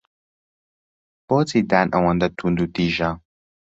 بۆچی دان ئەوەندە توندوتیژە؟